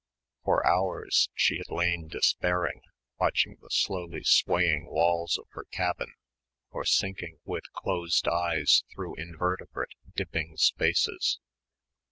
For hours she had lain despairing, watching the slowly swaying walls of her cabin or sinking with closed eyes through invertebrate dipping spaces.